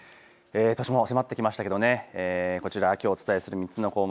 年も迫ってきましたけど、こちらきょうお伝えする３つの項目。